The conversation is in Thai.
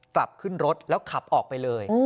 กลับขึ้นรถแล้วขับออกไปเลย